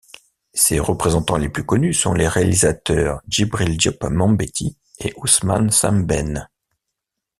Ses représentants les plus connus sont les réalisateurs Djibril Diop Mambéty et Ousmane Sembène.